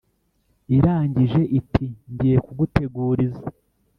irangije iti: “ngiye kuguteguriza.”